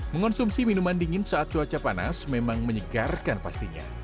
mengonsumsi minuman dingin saat cuaca panas memang menyegarkan pastinya